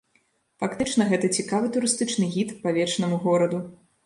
Фактычна гэта цікавы турыстычны гід па вечнаму гораду.